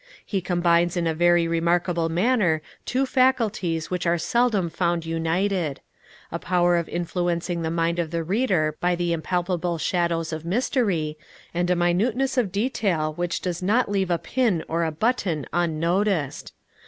He combines in a very remarkable manner two faculties which are seldom found united; a power of influencing the mind of the reader by the impalpable shadows of mystery, and a minuteness of detail which does not leave a pin or a button unnoticed.